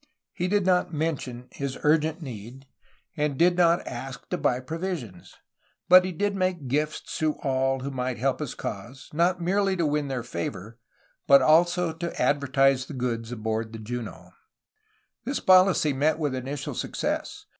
He did not mention his urgent need, and did not ask to buy provisions. But he did make gifts to all who might help his cause, not merely to win their favor, but also to advertise the goods aboard the Juno, This policy met with initial success.